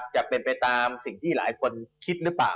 จะเป็นไปตามสิ่งที่หลายคนคิดหรือเปล่า